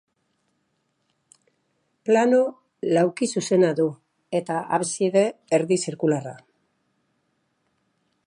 Plano laukizuzena du, eta abside erdi-zirkularra.